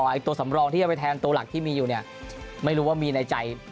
ไอ้ตัวสำรองที่จะไปแทนตัวหลักที่มีอยู่เนี่ยไม่รู้ว่ามีในใจ